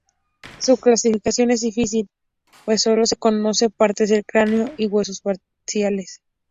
Su clasificación es difícil pues sólo se conoce partes del cráneo y huesos parciales.